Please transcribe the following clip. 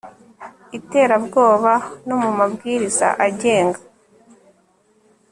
iterabwoba no mu mabwirizi agenga